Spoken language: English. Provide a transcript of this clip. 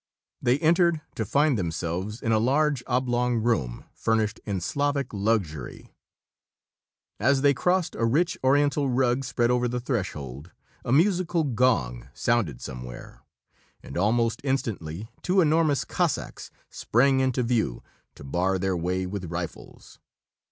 They entered, to find themselves in a large oblong room furnished in Slavic luxury. As they crossed a rich Oriental rug spread over the threshold, a musical gong sounded somewhere, and almost instantly two enormous Cossacks sprang into view, to bar their way with rifles.